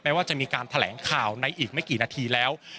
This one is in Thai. ว่าจะมีการแถลงข่าวในอีกไม่กี่นาทีแล้ว